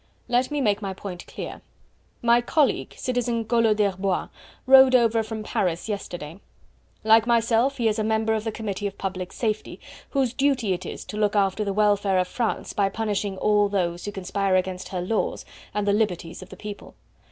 "Let me make my point clear. My colleague, Citizen Collot d'Herbois, rode over from Paris yesterday; like myself he is a member of the Committee of Public Safety whose duty it is to look after the welfare of France by punishing all those who conspire against her laws and the liberties of the people.